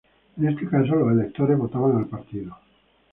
En este caso, los electores votaban al partido.